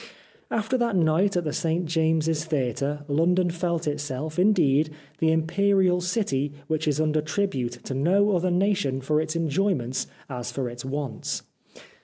After that night at the St James's Theatre London felt itself, indeed, the imperial city which is under tribute to no other nation for its enjoy ments as for its wants.